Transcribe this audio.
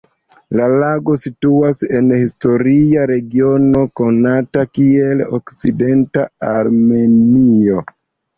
La lago situas en historia regiono konata kiel Okcidenta Armenio.